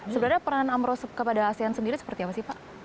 sebenarnya peran amro kepada asean sendiri seperti apa sih pak